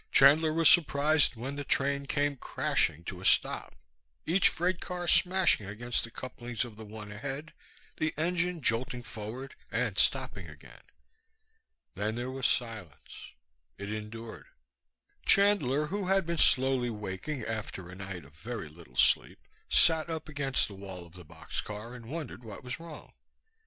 Chandler was surprised when the train came crashing to a stop, each freight car smashing against the couplings of the one ahead, the engine jolting forward and stopping again. Then there was silence. It endured. Chandler, who had been slowly waking after a night of very little sleep, sat up against the wall of the boxcar and wondered what was wrong.